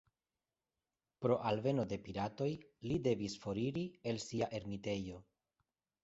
Pro alveno de piratoj, li devis foriri el sia ermitejo.